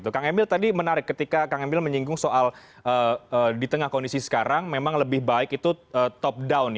kang emil tadi menarik ketika kang emil menyinggung soal di tengah kondisi sekarang memang lebih baik itu top down